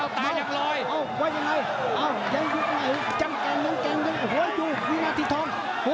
โอ้โหโอ้โหโอ้โหโอ้โหโอ้โหโอ้โหโอ้โหโอ้โห